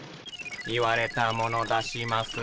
言われたもの出します。